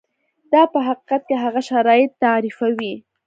دا په حقیقت کې هغه شرایط تعریفوي.